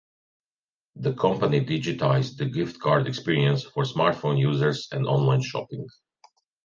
The company digitized the gift card experience for smartphone users and online shopping.